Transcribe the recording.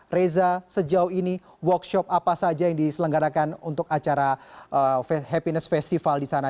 reza sejauh ini workshop apa saja yang diselenggarakan untuk acara happiness festival di sana